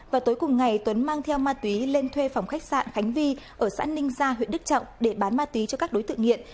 vào tối cùng ngày tuấn mang theo ma túy lên thuê phòng khách sạn khánh vi ở xã ninh gia huyện đức trọng để bán ma túy cho các đối tượng nghiện